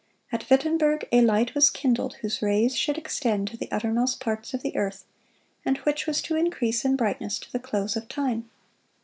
At Wittenberg a light was kindled whose rays should extend to the uttermost parts of the earth, and which was to increase in brightness to the close of time.